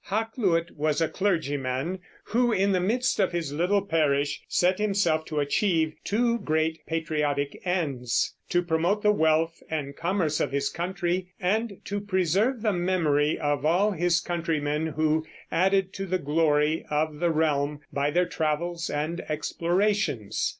Hakluyt was a clergyman who in the midst of his little parish set himself to achieve two great patriotic ends, to promote the wealth and commerce of his country, and to preserve the memory of all his countrymen who added to the glory of the realm by their travels and explorations.